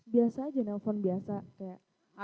biasa saja menelpon biasa